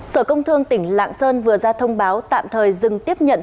sở công thương tỉnh lạng sơn vừa ra thông báo tạm thời dừng tiếp nhận